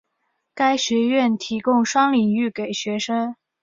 该学院提供双领域给学生。